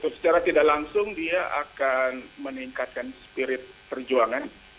secara tidak langsung dia akan meningkatkan spirit perjuangan